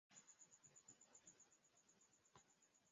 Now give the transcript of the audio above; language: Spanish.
Vive en pastizales.